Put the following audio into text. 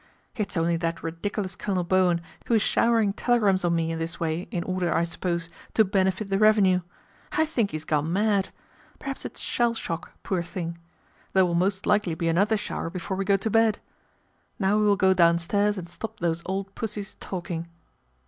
It is only that ridiculous Colonel Bowen who is showering telegrams on me in this way, in order, I suppose, to benefit the revenue. I think he has gone mad. Perhaps it's shell shock, poor thing. There will most likely be another shower before we go to bed. Now we will go downstairs and stop those old pussies talking."